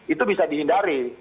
itu bisa dihindari